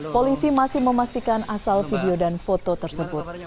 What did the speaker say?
polisi masih memastikan asal video dan foto tersebut